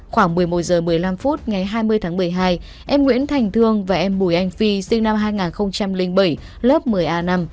khoảng một mươi một h một mươi năm phút ngày hai mươi tháng một mươi hai em nguyễn thành thương và em bùi anh phi sinh năm hai nghìn bảy lớp một mươi a năm